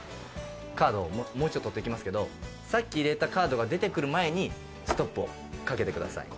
カードをもうちょっと取っていきますけどさっき入れたカードが出てくる前にストップをかけてください